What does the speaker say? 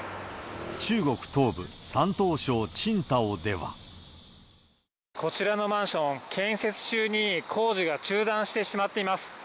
中国東部、こちらのマンション、建設中に工事が中断してしまっています。